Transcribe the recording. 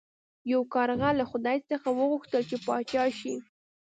یو کارغه له خدای څخه وغوښتل چې پاچا شي.